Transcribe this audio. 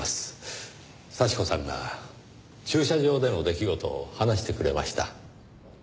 幸子さんが駐車場での出来事を話してくれました。